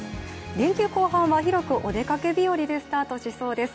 連休後半は広くお出かけ日和でスタートしそうです。